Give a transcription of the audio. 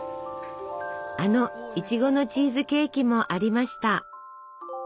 あのいちごのチーズケーキもありました！